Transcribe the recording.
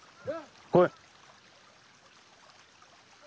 来い。